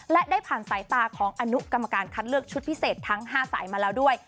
และได้ผ่านสายตาของอนุกรรมการคัดเลือกชุดพิเศษทั้ง๕สายมาแล้วด้วย